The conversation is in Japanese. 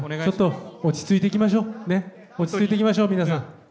ちょっと落ち着いていきましょう、皆さん。